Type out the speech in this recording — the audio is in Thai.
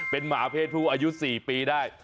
เป็นหมาเพศผู้อายุ๔ปีได้